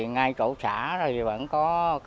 ngay chỗ xã vẫn có